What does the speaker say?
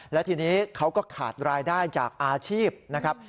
และทีนี้เขาก็ขาดรายได้จากอาชีพนะครับ